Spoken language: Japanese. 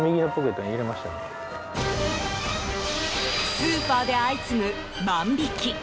スーパーで相次ぐ万引き。